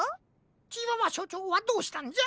チワワしょちょうはどうしたんじゃ？